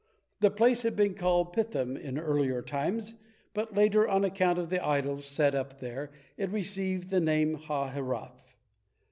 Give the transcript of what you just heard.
The place had been called Pithom in earlier times, but later, on account of the idols set up there, it received the name Hahiroth.